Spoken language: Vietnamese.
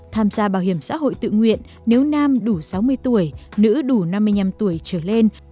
tham gia bảo hiểm xã hội tự nguyện nếu nam đủ sáu mươi tuổi nữ đủ năm mươi năm tuổi trở lên